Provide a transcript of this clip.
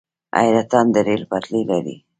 حیرتان د ریل پټلۍ لري